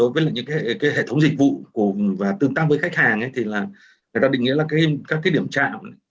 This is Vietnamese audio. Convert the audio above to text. với khách hàng người ta định nghĩa là các điểm chạm